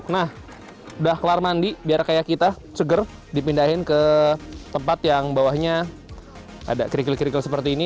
nah udah kelar mandi biar kayak kita seger dipindahin ke tempat yang bawahnya ada kerikil kerikil seperti ini